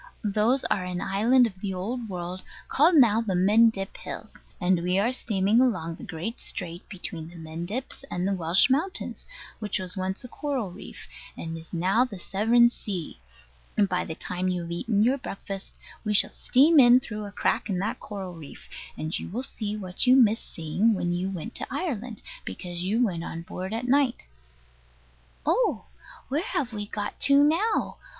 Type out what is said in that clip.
Those are an island of the Old World, called now the Mendip Hills; and we are steaming along the great strait between the Mendips and the Welsh mountains, which once was coral reef, and is now the Severn sea; and by the time you have eaten your breakfast we shall steam in through a crack in that coral reef; and you will see what you missed seeing when you went to Ireland, because you went on board at night. Oh! Where have we got to now?